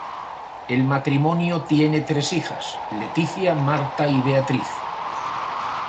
El matrimonio tiene tres hijas: Leticia, Marta y Beatriz.